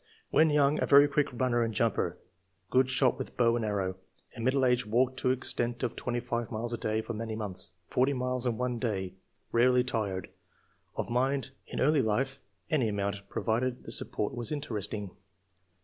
'*When young, a very quick runner and jumper ; good shot with a bow and arrow. In middle age, walked to extent of twenty five miles a day for many months, forty miles in one day. 86 ENGLISH MEN OF SCIENCE. [chap. rarely tired. Of mind — In early life, any amount, provided the subject was interesting."